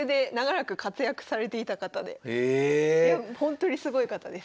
ホントにすごい方です。